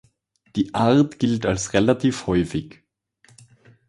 Die Art gilt als relativ häufig.